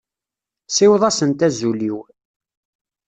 Siweḍ-asent azul-iw.